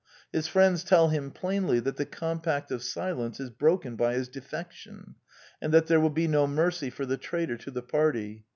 His friends tell him plainly that the compact of silence is broken by his defection, and that there will be no mercy for the traitor to the party.